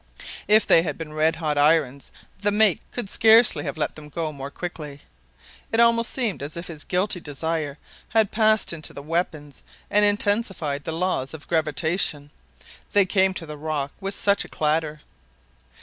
If they had been red hot irons, the mate could scarcely have let them go more quickly. It almost seemed as if his guilty desire had passed into the weapons and intensified the laws of gravitation they came to the rock with such a clatter.